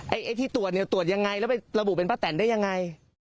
ไอ้ที่ตรวจเนี่ยตรวจยังไงแล้วไประบุเป็นป้าแตนได้ยังไง